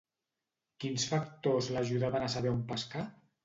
Quins factors l'ajudaven a saber on pescar?